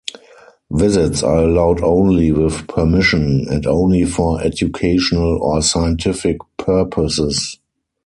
Visits are allowed only with permission, and only for educational or scientific purposes.